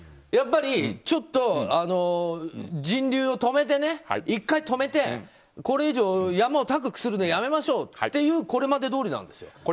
やっぱり、ちょっと人流を１回、止めてこれ以上、山を高くするのやめましょうっていうこれまでどおりなんですよ。